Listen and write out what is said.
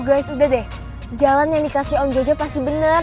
guys udah deh jalan yang dikasih om jojo pasti bener